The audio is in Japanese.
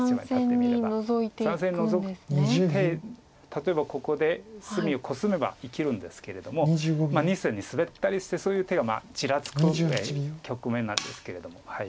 例えばここで隅をコスめば生きるんですけれども２線にスベったりしてそういう手がちらつく局面なんですけれども。